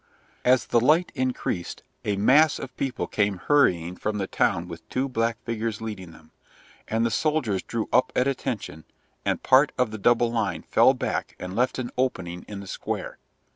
As the light increased a mass of people came hurrying from the town with two black figures leading them, and the soldiers drew up at attention, and part of the double line fell back and left an opening in the square.